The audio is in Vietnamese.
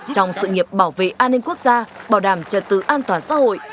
trong sự nghiệp bảo vệ an ninh quốc gia bảo đảm trật tự an toàn xã hội